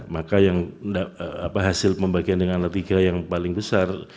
maka yang hasil pembagian dengan tiga yang paling besar